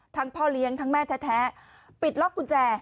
พ่อเลี้ยงทั้งแม่แท้ปิดล็อกกุญแจ